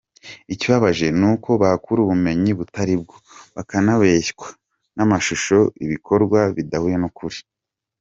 Ikibabaje ni uko bahakura ubumenyi butaribwo, bakabeshywa n’amashusho, ibikorwa bidahuye n’ukuri.